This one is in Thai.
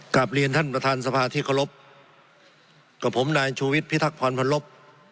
กลับเรียนท่านประธานสภาที่เคารพกับผมนายชูวิทย์พิทักษ์พรพันลบ